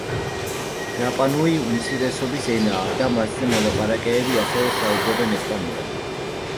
რაპანუი უმცირესობის ენაა და მასზე მოლაპარაკეები ასევე საუბრობენ ესპანურად.